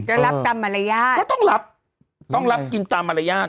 ก็รับตามมารยาทก็ต้องรับต้องรับกินตามมารยาท